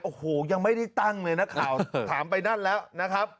โอ้โหยังไม่ได้ตั้งเลยนะข่าวถามไปนั่นแล้วนะครับ